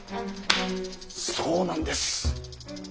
そうなんです。